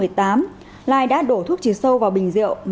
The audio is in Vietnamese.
với mục đích là đổ thuốc trừ sâu vào bình rượu